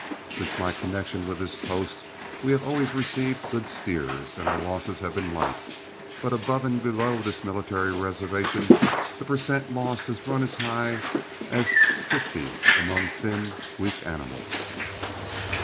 Since my connection with this post we have always received good steers, and our losses have been light, but above and below this military reservation the per cent. loss has run as high as fifty among thin, weak animals."